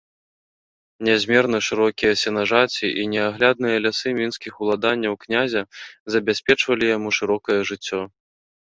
Нязмерна шырокія сенажаці і неаглядныя лясы мінскіх уладанняў князя забяспечвалі яму шырокае жыццё.